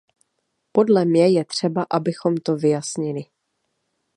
Podle mě je třeba, abychom to vyjasnili.